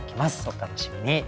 お楽しみに。